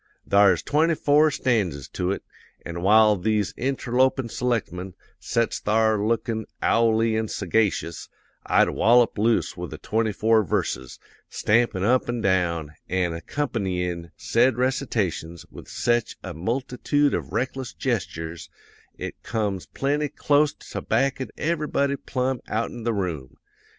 Thar's twenty four stanzas to it; an' while these interlopin' selectmen sets thar lookin' owley an' sagacious, I'd wallop loose with the twenty four verses, stampin' up and down, an' accompanyin' said recitations with sech a multitood of reckless gestures, it comes plenty clost to backin' everybody plumb outen the room.